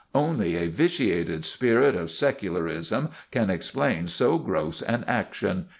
Only a vitiated spirit of secularism can explain so gross an action.